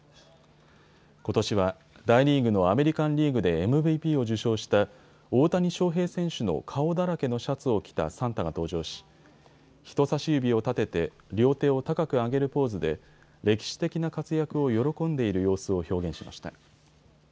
ことしは大リーグのアメリカンリーグでＭＶＰを受賞した大谷翔平選手の顔だらけのシャツを着たサンタが登場し人さし指を立てて両手を高く上げるポーズで歴史的な活躍を喜んでいる様子を表現しました。